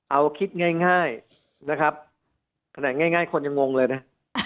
เอาคิดง่ายนะครับขนาดง่ายคนยังงงเลยนะ